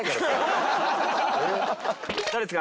誰ですか？